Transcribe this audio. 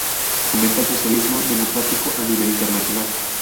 Fomenta el Socialismo Democrático a nivel internacional.